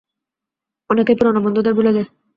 অনেকেই পুরনো বন্ধুদের ভুলে যায়।